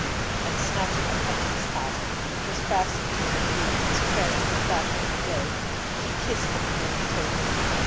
And snatching up Humfrey's hat, which was fastened with a brooch of his crest in the fashion of the day, she kissed the familiar token.